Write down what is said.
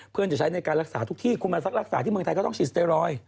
จะใช้ในการรักษาทุกที่คุณมาซักรักษาที่เมืองไทยก็ต้องฉีดสเตรอยด์